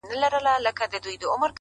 زه درته دعا سهار ماښام كوم”